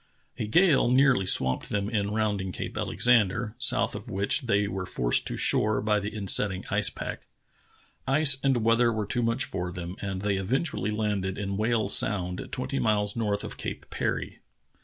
A gale nearly swamped them in rounding Cape Alexander, south of which they were forced to shore by the insetting ice pack. Ice and weather were too much for them, and they eventually landed in Whale Sound, twenty miles north of Cape Parry.